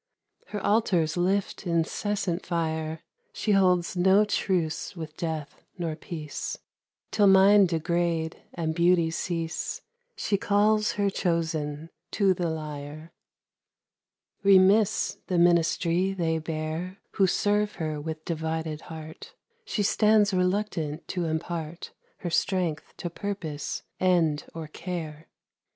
Her altars lift incessant fire ; She holds no truce with Death nor Peace ; Till mind degrade and beauty cease, She calls her chosen to the Lyre. DEDICATION. Remiss the ministry they bear Who serve her with divided heart ; She stands reluctant to impart Her strength to purpose, end, or care.